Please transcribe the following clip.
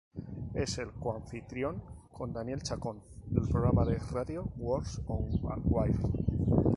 Es el coanfitrión, con Daniel Chacón, del programa de radio "Words on a Wire".